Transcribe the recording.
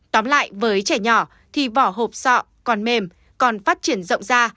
tóm lại với trẻ nhỏ thì vỏ hộp sọ còn mềm còn phát triển rộng ra